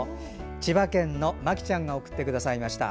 千葉県のマキちゃんが送ってくださいました。